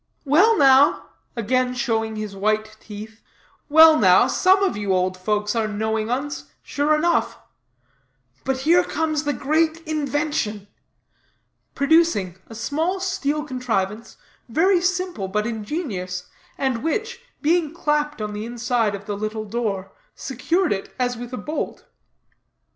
"Well, now," again showing his white teeth, "well, now, some of you old folks are knowing 'uns, sure enough; but now comes the great invention," producing a small steel contrivance, very simple but ingenious, and which, being clapped on the inside of the little door, secured it as with a bolt.